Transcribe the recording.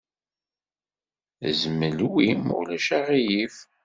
Zmel wi, ma ulac aɣilif.